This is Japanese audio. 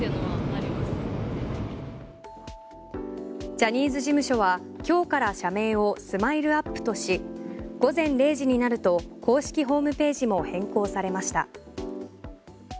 ジャニーズ事務所は今日から社名をＳＭＩＬＥ−ＵＰ．とし午前０時になると公式ホームページも変更されました。